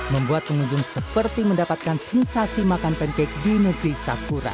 membuat pengunjung seperti mendapatkan sensasi makan pancake di negeri sakura